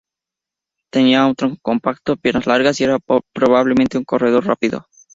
Tenía un tronco compacto, piernas largas y era probablemente un corredor rápido.